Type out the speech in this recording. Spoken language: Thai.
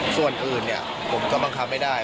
ส่วนอื่นผมก็บังคับไม่ได้